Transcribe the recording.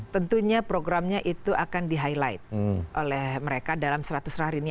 tentunya programnya itu akan di highlight oleh mereka dalam seratus hari ini